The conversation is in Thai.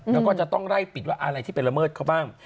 แล้วก็จะต้องไล่ปิดว่าอะไรที่ไปละเมิดเขาบ้าง